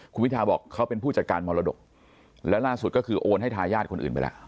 คุณวิทาบอกเขาเป็นผู้จัดการมรดกแล้วล่าสุดก็คือโอนให้ทายาทคนอื่นไปแล้ว